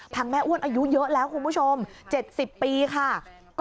แม่อ้วนอายุเยอะแล้วคุณผู้ชม๗๐ปีค่ะ